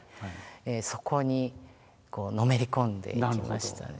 そこにのめり込んでいきましたね。